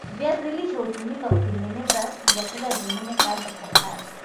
viazi lishe hutumika kutengeneza vyakula vingine kadha wa kadha